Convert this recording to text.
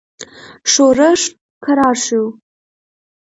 ښورښ کرار شو.